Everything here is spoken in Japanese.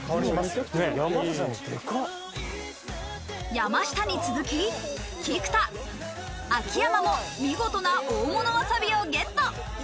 山下に続き、菊田、秋山も見事な大物わさびをゲット。